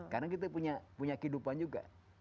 karena kita punya kehidupan juga